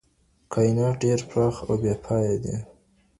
کاینات ډیر پراخ او بې پایه دي.